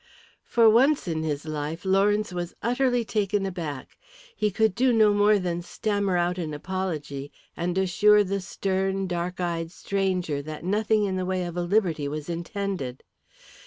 For once in his life Lawrence was utterly taken aback. He could do no more than stammer out an apology and assure the stern dark eyed stranger that nothing in the way of a liberty was intended.